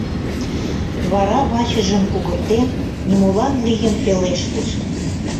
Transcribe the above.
Вара, вачыжым кугыртен, нимолан лийын пелештыш: